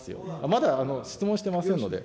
まだ質問してませんので。